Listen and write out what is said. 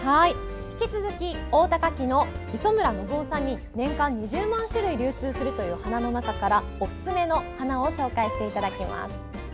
引き続き、大田花きの磯村信夫さんに年間２０万種類流通するという花の中からおすすめのお花を紹介してもらいます。